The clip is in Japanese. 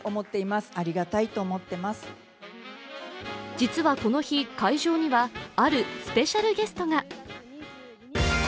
実はこの日、会場にはあるスペシャルゲストが。